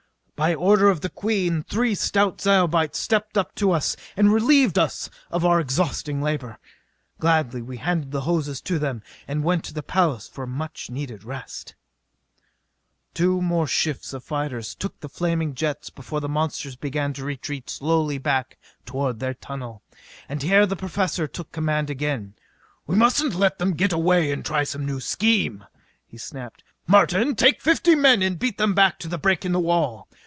By order of the Queen three stout Zyobites stepped up to us and relieved us of our exhausting labor. Gladly we handed the hoses to them and went to the palace for a much needed rest. Two more shifts of fighters took the flaming jets before the monsters began the retreat slowly back toward their tunnel. And here the Professor took command again. "We mustn't let them get away to try some new scheme!" he snapped. "Martin, take fifty men and beat them back to the break in the wall.